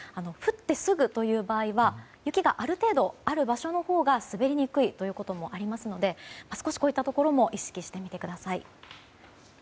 降ってすぐという場合は雪がある程度ある場所のほうが滑りにくいということもありますので少しこういったところも意識してみてください。